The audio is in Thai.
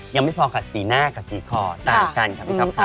ยังไม่พอกับสีหน้ากับสีคอต่างกันค่ะพี่ก๊อฟค่ะ